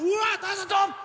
ストップ！